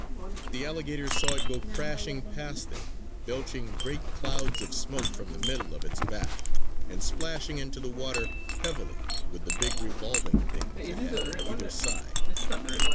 The alligators saw it go crashing past them, belching great clouds of smoke from the middle of its back, and splashing into the water heavily with the big revolving things it had on either side.